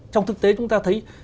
trong thực tế chúng ta thấy